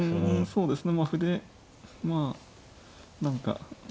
そうですね